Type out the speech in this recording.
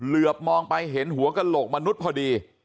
เหลือบมองไปเห็นหัวกระโหลกมนุษย์พอดี